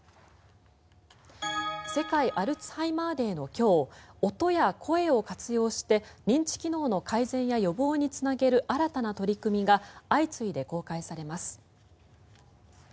世界アルツハイマーデーの今日音や声を活用して認知機能の改善や予防につなげる新たな取り組みが相次いで公開されます。